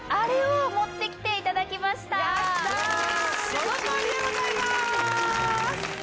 その通りでございます！